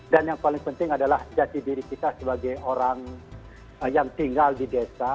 dan yang paling penting adalah jati diri kita sebagai orang yang tinggal di desa